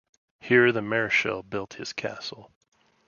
Here the Marischal built his castle.